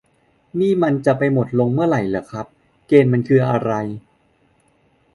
นี่มันจะไปหมดลงเมื่อไหร่เหรอครับ เกณฑ์มันคืออะไร